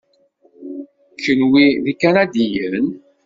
Kenwi d ikanadiyen?